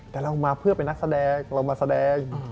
แต่เรามาเพื่อเป็นนักแสดงเรามาแสดง